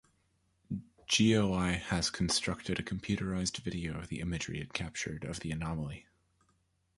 GeoEye has constructed a computerized video of the imagery it captured of the anomaly.